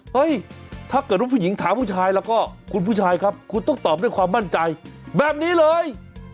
ถ้าเกิดว่าผู้หญิงถามผู้ชายแล้วก็คุณผู้ชายครับคุณต้องตอบด้วยความมั่นใจแบบนี้เลย